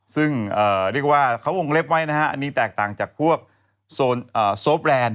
ซึ่งเรียกว่าเขาวงเล็บไว้นะฮะอันนี้แตกต่างจากพวกโซฟแลนด์